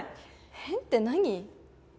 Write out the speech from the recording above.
変って何？